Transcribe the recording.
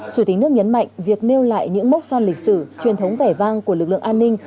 chủ tịch nước nhấn mạnh việc nêu lại những mốc son lịch sử truyền thống vẻ vang của lực lượng an ninh